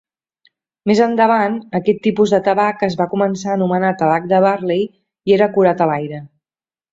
Més endavant, aquest tipus de tabac es va començar a anomenar tabac de Burley, i era curat a l'aire.